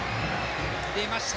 出ました！